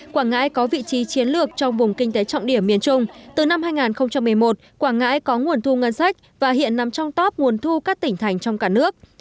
quảng ngãi có vị trí chiến lược trong vùng kinh tế trọng điểm miền trung từ năm hai nghìn một mươi một quảng ngãi có nguồn thu ngân sách và hiện nằm trong top nguồn thu các tỉnh thành trong cả nước